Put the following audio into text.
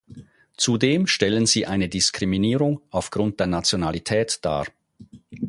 Zudem stellen sie eine Diskriminierung aufgrund der Nationalität dar.